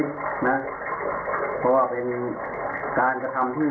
แล้วเจอพ่อแม่ของออฟอร์พแล้วครับ